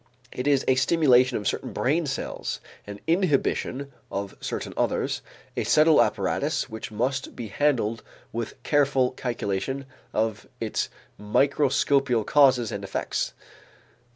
It is a stimulation of certain brain cells, an inhibition of certain others: a subtle apparatus which must be handled with careful calculation of its microscopical causes and effects.